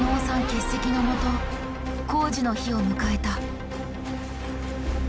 欠席のもと工事の日を迎えた。